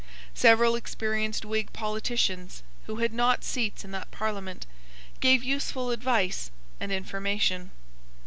Several experienced Whig politicians, who had not seats in that Parliament, gave useful advice and information.